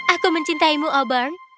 aku mencintaimu auburn